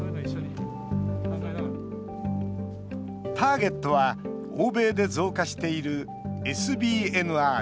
ターゲットは欧米で増加しているＳＢＮＲ。